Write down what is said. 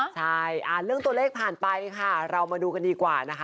ใช่เรื่องตัวเลขผ่านไปค่ะเรามาดูกันดีกว่านะคะ